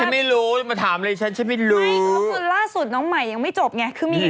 ไม่เพราะล่าสุดน้องหมายยังไม่จบไง